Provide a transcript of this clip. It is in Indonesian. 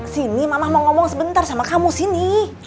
sini mama mau ngomong sebentar sama kamu sini